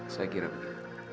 saya kira begitu